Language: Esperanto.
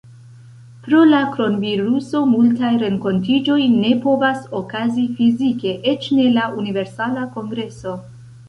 Pro la kronviruso multaj renkontiĝoj ne povas okazi fizike, eĉ ne la Universala Kongreso.